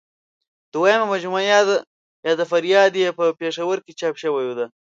دویمه مجموعه یاد فریاد یې په پېښور کې چاپ شوې ده.